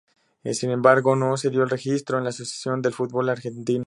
Sin embargo, no se dio el registro en la Asociación de Fútbol Argentino.